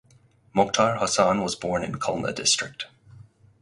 Moktar Hossain was born in Khulna District.